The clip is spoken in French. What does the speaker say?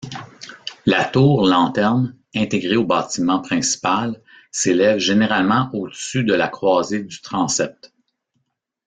La tour-lanterne intégrée au bâtiment principal s'élève généralement au-dessus de la croisée du transept.